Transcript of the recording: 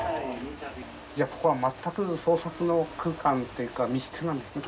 じゃあここは全く創作の空間というか密室なんですね。